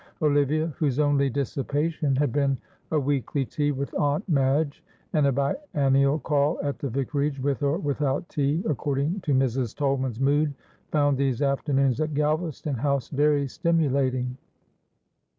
Olivia, whose only dissipation had been a weekly tea with Aunt Madge, and a biannual call at the Vicarage, with or without tea, according to Mrs. Tolman's mood, found these afternoons at Galvaston House very stimulating.